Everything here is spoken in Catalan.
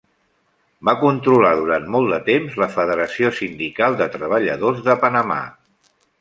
Va controlar durant molt de temps la Federació Sindical de Treballadors de Panamà.